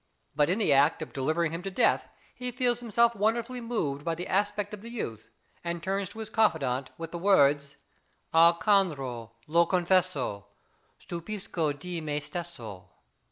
But in the act of delivering him to death, he feels himself wonderfully moved by the aspect of the youth, and turns to his confidant with the words: Alcandro, lo confesso, stupisco di me stesso.